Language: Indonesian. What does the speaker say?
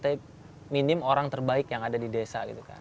tapi minim orang terbaik yang ada di desa